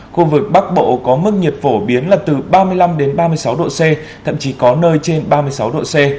khu vực bắc bộ có mức nhiệt phổ biến là từ ba mươi năm ba mươi sáu độ c thậm chí có nơi trên ba mươi sáu độ c